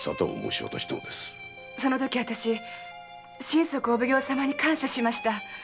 そのとき私は心底お奉行様に感謝しました。